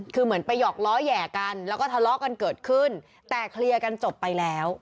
คือเหมือนไปหอกล้อแห่กันแล้วก็ทะเลาะกันเกิดขึ้นแต่เคลียร์กันจบไปแล้ว